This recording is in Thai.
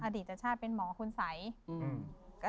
อดีตชาติเป็นหมอศัยศาสตร์